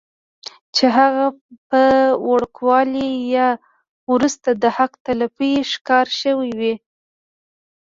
چې هغه پۀ وړوکوالي يا وروستو د حق تلفۍ ښکار شوي وي